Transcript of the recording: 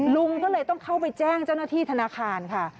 ลุงก็เลยต้องเข้าไปแจ้งเจ้าหน้าที่ธนาคารค่ะ